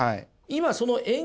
今その円